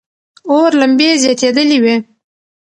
اور لمبې زیاتېدلې وې.